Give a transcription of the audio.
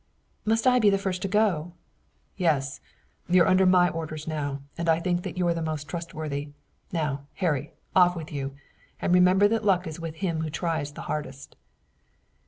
"Must I be the first to go?" "Yes, you're under my orders now, and I think you the most trustworthy. Now, Harry, off with you, and remember that luck is with him who tries the hardest."